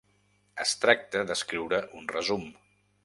Es tracta d'escriure un resum.